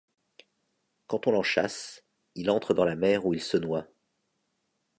Quand on l'en chasse, il entre dans la mer où il se noie.